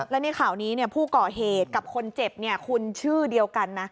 แล้วในข่าวนี้ผู้ก่อเหตุกับคนเจ็บคุณชื่อเดียวกันนะ